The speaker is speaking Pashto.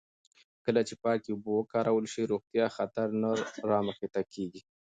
کله چې پاکې اوبه وکارول شي، روغتیايي خطر نه رامنځته کېږي.